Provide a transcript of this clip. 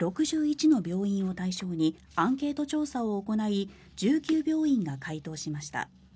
６１の病院を対象にアンケート調査を行い１９病院が回答しました。